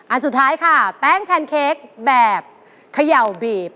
อันสุดท้ายค่ะแป้งแพนเค้กแบบเขย่าบีบ